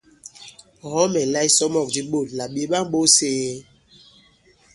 Ɔ̀ kɔ-mɛ̀nla isɔmɔ̂k di ɓôt là "ɓè ma-ɓōs ēe?".